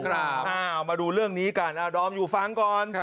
เอามาดูเรื่องนี้กันเอาดอมอยู่ฟังก่อน